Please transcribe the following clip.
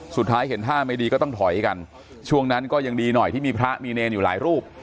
สุดท้ายเห็นท่าไม่ดีก็ต้องถอยกันช่วงนั้นก็ยังดีหน่อยที่มีพระมีเนรอยู่หลายรูป